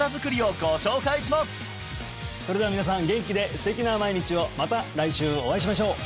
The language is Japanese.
それでは皆さん元気で素敵な毎日をまた来週お会いしましょう